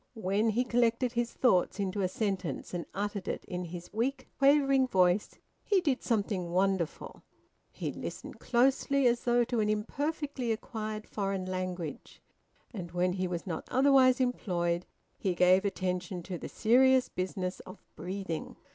When he collected his thoughts into a sentence and uttered it in his weak, quavering voice, he did something wonderful; he listened closely, as though to an imperfectly acquired foreign language; and when he was not otherwise employed, he gave attention to the serious business of breathing.